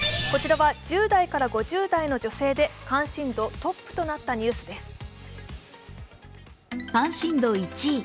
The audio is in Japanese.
こちらは１０代から５０代の女性で関心度トップとなったニュースです。